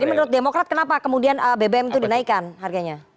jadi menurut demokrat kenapa kemudian bbm itu dinaikkan harganya